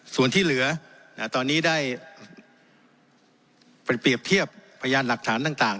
ส่วนที่เหลือตอนนี้ได้เปรียบเทียบพยานหลักฐานต่าง